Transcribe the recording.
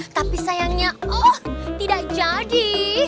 tapi sayangnya oh tidak jadi